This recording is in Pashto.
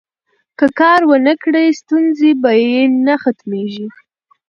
که کار ونکړي، ستونزې به یې نه ختمیږي.